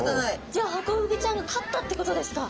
じゃあハコフグちゃんが勝ったってことですか？